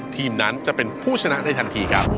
ทีมนั้นจะเป็นผู้ชนะในทันทีครับ